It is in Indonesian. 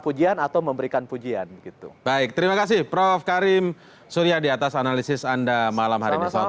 pujian atau memberikan pujian gitu baik terima kasih prof karim surya di atas analisis anda malam hari ini selamat